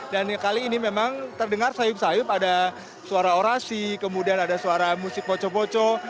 dan kali ini memang terdengar sayup sayup ada suara orasi kemudian ada suara musik poco poco